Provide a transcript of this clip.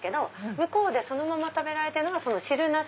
向こうでそのまま食べられてるのが汁なし。